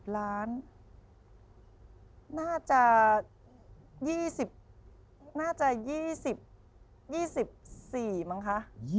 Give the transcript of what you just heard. ๑๐ล้านน่าจะ๒๔มั้งคะ